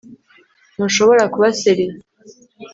ntushobora kuba serieux